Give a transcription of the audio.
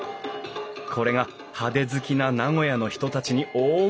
これが派手好きな名古屋の人たちに大受け。